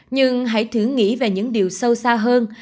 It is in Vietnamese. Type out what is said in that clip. nhưng hãy thử nghĩ về những điều sâu xa hơn